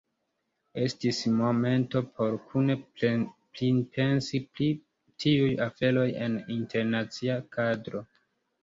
Estis momento por kune pripensi pri tiuj aferoj en internacia kadro.